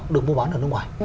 được mua bán ở nước ngoài